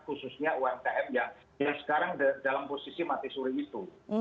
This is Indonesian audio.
khususnya umkm yang sekarang dalam posisi mati surim itu